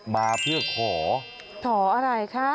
มาเพื่อขอขออะไรคะ